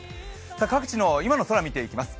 各地の今の空を見ていきます。